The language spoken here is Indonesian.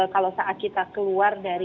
kalau saat kita keluar dari